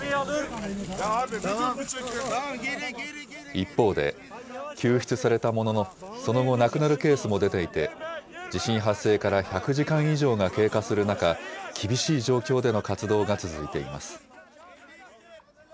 一方で、救出されたものの、その後、亡くなるケースも出ていて、地震発生から１００時間以上が経過する中、厳しい状況での活動が続いています。